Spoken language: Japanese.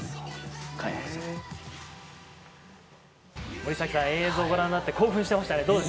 森崎さん、映像をご覧になって興奮していましたね。